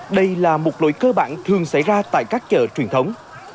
đây là một lỗi cơ bản thường xảy ra tại các chợ truyền thống